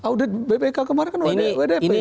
oh bpek kemarin kan ada wtp